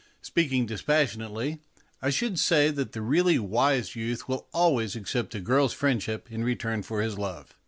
Speaking dispassionately, I should say that the really wise youth will always accept a girl's friendship in return for his love.